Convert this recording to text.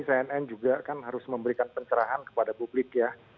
cnn juga kan harus memberikan pencerahan kepada publik ya